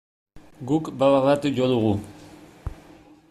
Guk baba bat jo dugu.